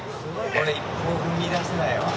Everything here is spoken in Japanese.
俺１歩も踏み出せないわ。